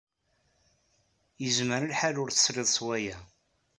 Yezmer lḥal ur tesliḍ s waya.